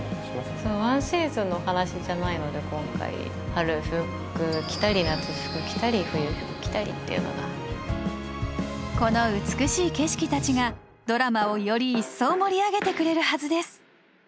今回春服着たり夏服着たり冬服着たりっていうのがこの美しい景色たちがドラマをより一層盛り上げてくれるはずです